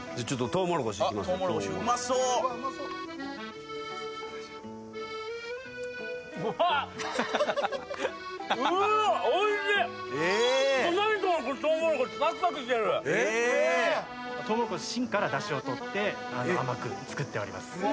・トウモロコシ芯からだしを取って甘く作っております。